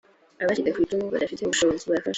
abacitse ku icumu badafite ubushobozi barafashwa.